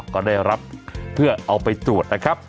ก็ได้รับเพื่อเอาไปตรวจนะครับ